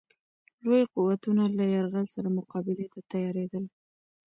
لوی قوتونه له یرغلګر سره مقابلې ته تیارېدل.